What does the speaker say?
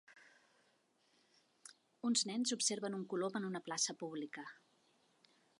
Uns nens observen un colom en una plaça pública.